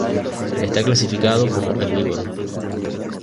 Está clasificado como herbívoro.